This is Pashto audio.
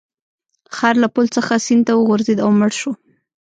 خر له پل څخه سیند ته وغورځید او مړ شو.